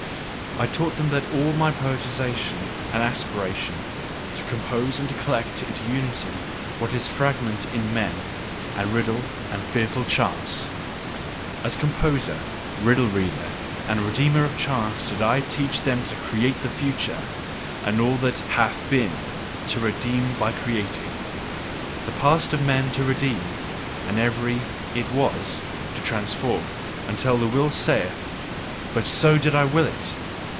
I taught them all MY poetisation and aspiration: to compose and collect into unity what is fragment in man, and riddle and fearful chance; As composer, riddle reader, and redeemer of chance, did I teach them to create the future, and all that HATH BEEN to redeem by creating. The past of man to redeem, and every "It was" to transform, until the Will saith: "But so did I will it!